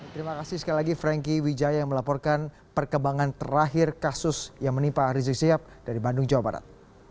terima kasih sekali lagi franky wijaya yang melaporkan perkembangan terakhir kasus yang menimpa rizik sihab dari bandung jawa barat